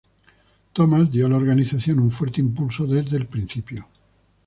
Thomas dio a la Organización un fuerte impulso desde el principio.